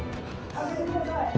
開けてください